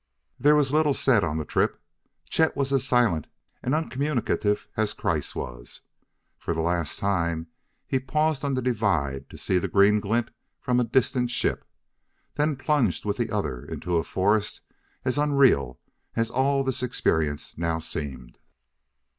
There was little said on the trip. Chet was as silent and uncommunicative as Kreiss when, for the last time, he paused on the divide to see the green glint from a distant ship, then plunged with the others into a forest as unreal as all this experience now seemed.